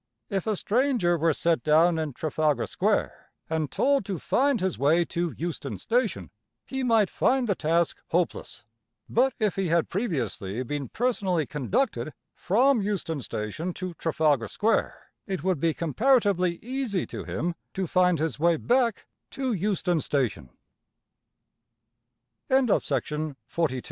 If a stranger were set down in Trafalgar Square, and told to find his way to Euston Station, he might find the task hopeless. But if he had previously been personally conducted from Euston Station to Trafalgar Square, it would be comparatively easy to him to